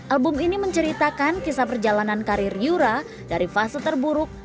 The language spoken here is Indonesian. album ini menceritakan kisah perjalanan karir yura dari fase terburuk